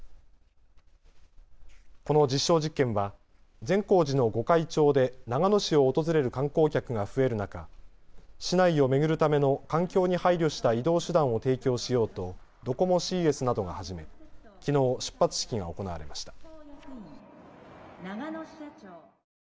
この実証実験は善光寺の御開帳で長野市を訪れる観光客が増える中市内を巡るための環境に配慮した移動手段を提供しようとドコモＣＳなどが始めきのう出発式が行われました。